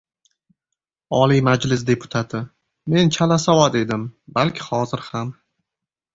Oliy Majlis deputati: «Men chalasavod edim, balki hozir ham...»